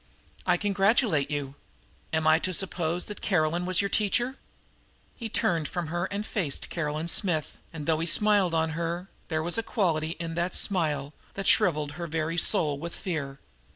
I congratulate you. Am I to suppose that Caroline was your teacher?" He turned from her and faced Caroline Smith, and, though he smiled on her, there was a quality in the smile that shriveled her very soul with fear.